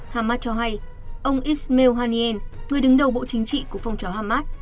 hamas cho hay ông ismail haniyeh người đứng đầu bộ chính trị của phong trào hamas